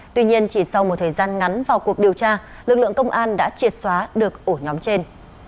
tuy nhiên chỉ sau một thời gian ngắn vào cuộc điều tra lực lượng công an đã triệt xóa được ổ nhóm trên